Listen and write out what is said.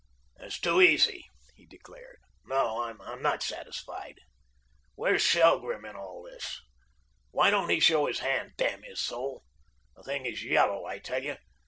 "It's too easy," he declared. "No, I'm not satisfied. Where's Shelgrim in all this? Why don't he show his hand, damn his soul? The thing is yellow, I tell you.